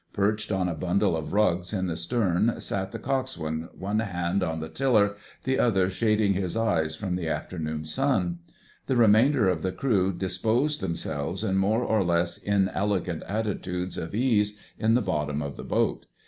Perched on a bundle of rugs in the stern sat the Coxswain, one hand on the tiller, the other shading his eyes from the afternoon sun. The remainder of the crew disposed themselves in more or less inelegant attitudes of ease in the bottom of the boat.